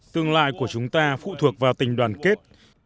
tương lai của chúng ta phụ thuộc vào tình đoàn kết